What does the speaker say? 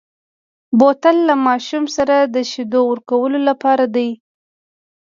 بوتل له ماشومو سره د شیدو ورکولو لپاره دی.